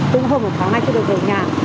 cũng hơn một tháng nay chưa được về nhà